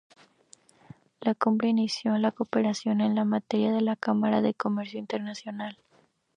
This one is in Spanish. La cumbre inició la cooperación en la materia con la Cámara de Comercio Internacional.